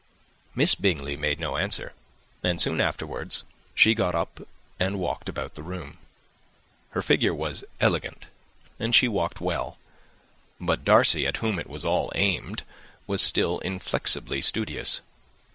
Miss Bingley made no answer, and soon afterwards got up and walked about the room. Her figure was elegant, and she walked well; but Darcy, at whom it was all aimed, was still inflexibly studious.